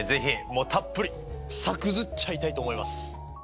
もうたっぷり作図っちゃいたいと思います。